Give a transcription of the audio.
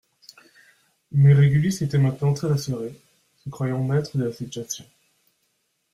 Mais Régulus était maintenant très assuré, se croyant maître de la situation.